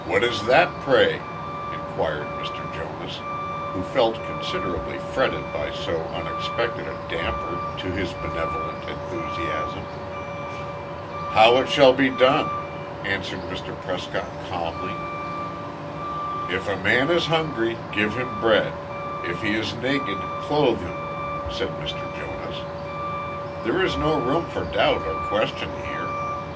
"What is that pray?" inquired Mr. Jonas, who felt considerably fretted by so unexpected a damper to his benevolent enthusiasm. "How it shall be done," answered Mr. Prescott, calmly. "If a man is hungry, give him bread; if he is naked, clothe him," said Mr. Jonas. "There is no room for doubt or question here.